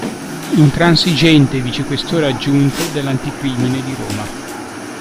Intransigente Vicequestore aggiunto dell’Anticrimine di Roma.